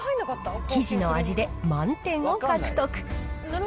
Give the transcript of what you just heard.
生地の味で満点を獲得。